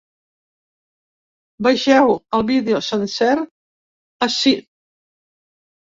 Vegeu el vídeo sencer ací.